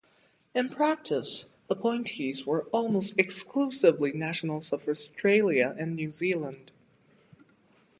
In practice, appointees were almost exclusively nationals of Australia and New Zealand.